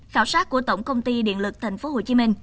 khảo sát của tổng công ty điện lực tp hcm